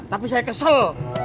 tapi saya kesel